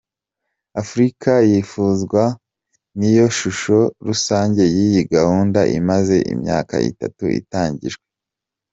Afurika yifuzwa ni yo shusho rusange y’iyi gahunda imaze imyaka itatu itangijwe.